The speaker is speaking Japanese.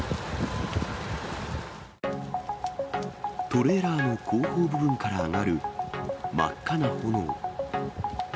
トレーラーの後方部分から上がる、真っ赤な炎。